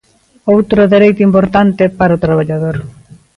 Outro dereito importante para o traballador.